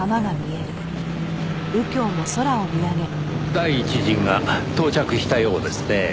第一陣が到着したようですねぇ。